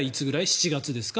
７月ですか？